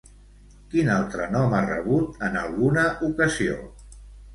Quin altre nom ha rebut en alguna ocasió?